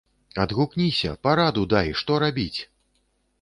Адгукніся, параду дай, што рабіць!